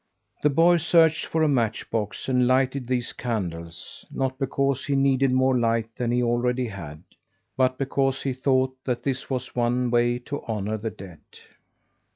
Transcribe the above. The boy searched for a matchbox and lighted these candles, not because he needed more light than he already had; but because he thought that this was one way to honour the dead.